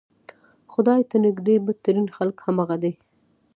خدای ته نږدې بدترین خلک همغه دي.